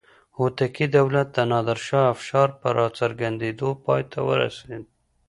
هوتکي دولت د نادر شاه افشار په راڅرګندېدو پای ته ورسېد.